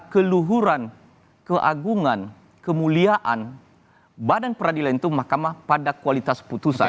keluhuran keagungan kemuliaan badan peradilan itu mahkamah pada kualitas putusan